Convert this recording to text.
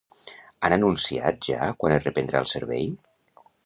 Han anunciat ja quan es reprendrà el servei?